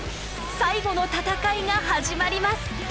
最後の戦いが始まります！